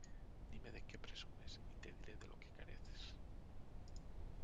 Dime de qué presumes y te diré de lo que careces.